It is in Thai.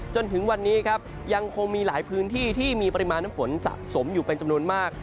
จนถึงวันนี้ครับยังคงมีหลายพื้นที่ที่มีปริมาณน้ำฝนสะสมอยู่เป็นจำนวนมาก